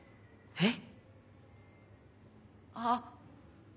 えっ？